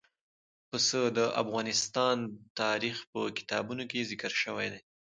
پسه د افغان تاریخ په کتابونو کې ذکر شوي دي.